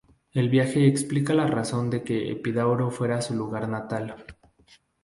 El viaje explica la razón de que Epidauro fuera su lugar natal.